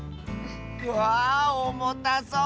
わあおもたそう。